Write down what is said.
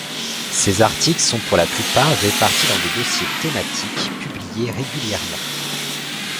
Ces articles sont pour la plupart répartis dans des dossiers thématiques publiés régulièrement.